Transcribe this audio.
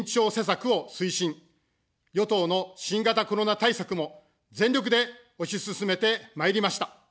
与党の新型コロナ対策も、全力で推し進めてまいりました。